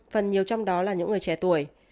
phần nhiều trong đó là những người trẻ tuổi